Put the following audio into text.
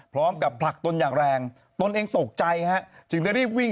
พร้อมกับผลักตนอย่างแรงตนเองตกใจนะฮะจึงได้รีบวิ่ง